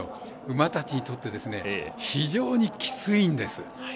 馬たちにとって非常にきついんです。